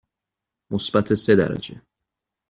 مثبت سه درجه.